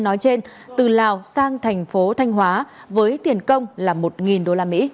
nói trên từ lào sang thành phố thanh hóa với tiền công là một usd